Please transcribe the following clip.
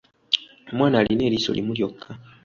Omwana alina eriiso limu lyokka.